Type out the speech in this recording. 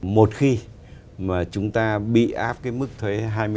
một khi mà chúng ta bị áp cái mức thuế hai mươi năm